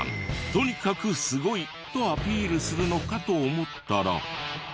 とにかくすごいとアピールするのかと思ったら。